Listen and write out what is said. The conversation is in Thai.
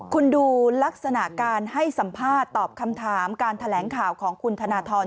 คุณดูลักษณะการให้สัมภาษณ์ตอบคำถามการแถลงข่าวของคุณธนทร